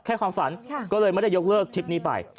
ความฝันก็เลยไม่ได้ยกเลิกทริปนี้ไป